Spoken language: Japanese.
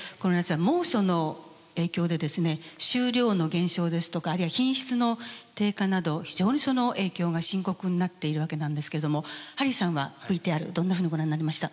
収量の減少ですとかあるいは品質の低下など非常にその影響が深刻になっているわけなんですけれどもハリーさんはＶＴＲどんなふうにご覧になりました？